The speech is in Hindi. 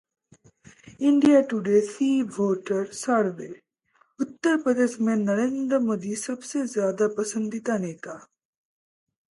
India Today C Voter survey: Uttar Pradesh में नरेंद्र मोदी सबसे ज्यादा पसंदीदा नेता